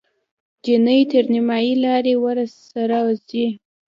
چیني تر نیمایي لارې ورسره ځي.